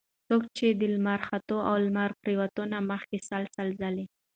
څوک چې د لمر ختلو او لمر پرېوتلو نه مخکي سل سل ځله